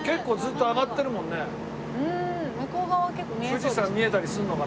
富士山見えたりするのかな？